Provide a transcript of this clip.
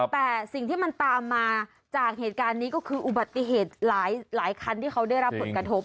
แต่สิ่งที่มันตามมาจากเหตุการณ์นี้ก็คืออุบัติเหตุหลายคันที่เขาได้รับผลกระทบ